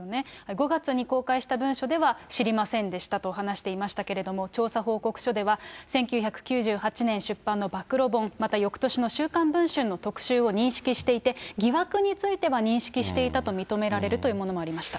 ５月に公開した文書では知りませんでしたと話していましたけれども、調査報告書では、１９９８年出版の暴露本、またよくとしの週刊文春の特集を認識していて、疑惑については認識していたと認められるというものもありました。